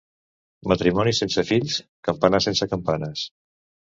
Matrimoni sense fills, campanar sense campanes.